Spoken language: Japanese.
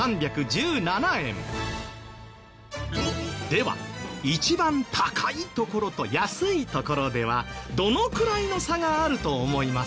では一番高い所と安い所ではどのくらいの差があると思いますか？